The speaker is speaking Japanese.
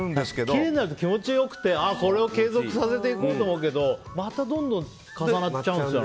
きれいになったら気持ちよくて継続させていこうと思うけどまたどんどん重なっちゃうんですよね。